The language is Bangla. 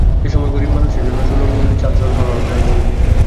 সে সময় গরিব মানুষের জন্য সুলভ মূল্যে চাল সরবরাহ করা জরুরি।